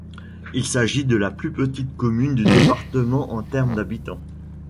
Il s'agit de la plus petite commune du département en terme d'habitants.